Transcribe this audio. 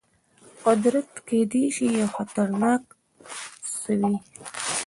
قدرت کېدای شي یو خطرناک څه وي.